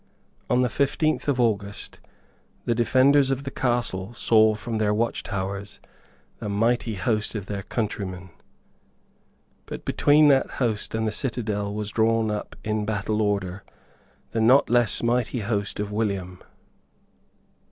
On the fifteenth of August the defenders of the castle saw from their watchtowers the mighty host of their countrymen. But between that host and the citadel was drawn up in battle order the not less mighty host of William.